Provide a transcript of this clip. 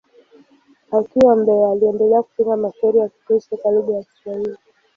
Akiwa Mbeya, aliendelea kutunga mashairi ya Kikristo kwa lugha ya Kiswahili.